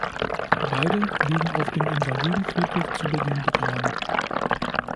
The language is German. Beide liegen auf dem Invalidenfriedhof zu Berlin begraben.